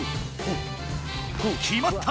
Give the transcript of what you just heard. きまった！